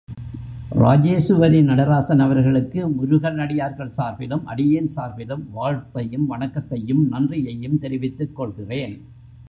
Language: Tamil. இராஜேசுவரி நடராசன் அவர்களுக்கு முருகனடியார்கள் சார்பிலும் அடியேன் சார்பிலும் வாழ்த்தையும் வணக்கத்தையும் நன்றியையும் தெரிவித்துக் கொள்கிறேன்.